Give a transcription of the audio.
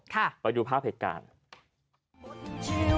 ไปดูภาพเหตุการณ์